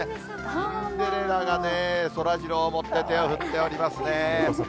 シンデレラがそらジロー持ってて、手を振っておりますね。